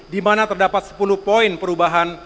dimana terdapat sepuluh poin perubahan